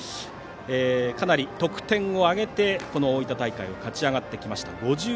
かなり得点を挙げて大分大会を勝ち上がってきました。